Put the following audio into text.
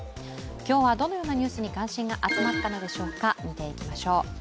今日はどのようなニュースに関心が集まったのでしょうか、見ていきましょう。